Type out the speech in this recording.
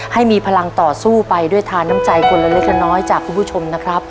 ให้มีพลังต่อสู้ไปด้วยทานน้ำใจคนละเล็กละน้อยจากคุณผู้ชมนะครับ